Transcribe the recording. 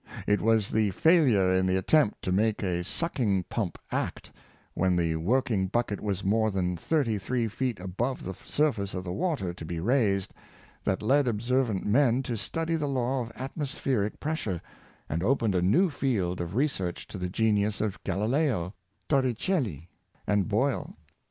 It was the failure in the attempt to make a sucking pump act, when the working bucket was more than thirty three feet above the surface of the water to be raised, that led observ ent men to study the law of atmospheric pressure, and opened a new field of research to the genius of Galileo, Torrecelli, and Boyle.